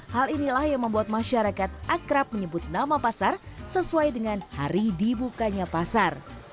hal inilah yang membuat masyarakat akrab menyebut nama pasar sesuai dengan hari dibukanya pasar